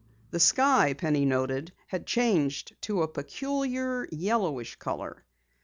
The sky, Penny noted, had changed to a peculiar yellowish color.